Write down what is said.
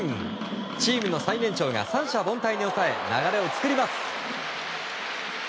チームの最年長が三者凡退に抑え流れを作ります。